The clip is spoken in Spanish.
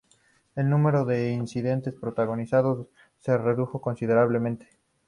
El número de incidentes protagonizados se redujo considerablemente.